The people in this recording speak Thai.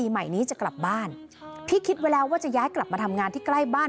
ใหม่นี้จะกลับบ้านพี่คิดไว้แล้วว่าจะย้ายกลับมาทำงานที่ใกล้บ้าน